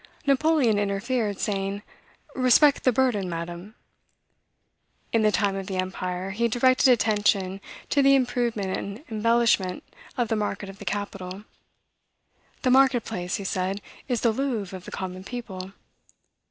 Napoleon interfered, saying, 'Respect the burden, Madam.'" In the time of the empire, he directed attention to the improvement and embellishment of the market of the capital. "The market place," he said, "is the Louvre of the common people."